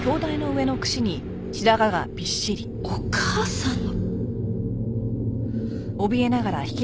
お義母さんの？